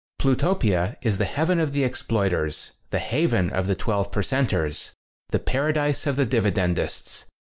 Plutopia is the heaven of the ex ploiters, the haven of the twelve per centers, the paradise of the dividend ists.